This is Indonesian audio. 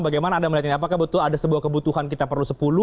bagaimana anda melihat ini apakah betul ada sebuah kebutuhan kita perlu sepuluh